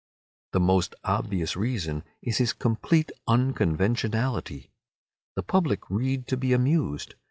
The most obvious reason is his complete unconventionality. The public read to be amused.